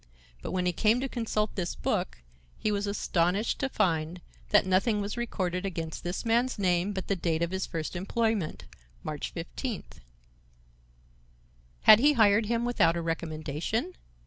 But when he came to consult this book, he was astonished to find that nothing was recorded against this man's name but the date of his first employment—March 15. "Had he hired him without a recommendation?